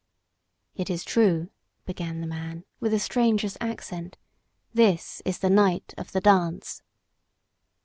"It is true," began the man, with a stranger's accent. "This is the night of the dance."